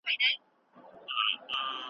خلګو فکر کاوه فقر تقدير دی.